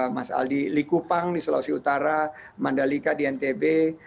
mas aldi likupang di sulawesi utara mandalika di ntb